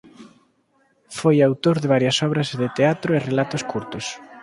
Foi autor de varias obras de teatro e relatos curtos.